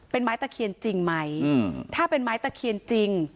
เป็นไม้ตะเคียนจริงไหมถ้าเป็นไม้ตะเคียนจริง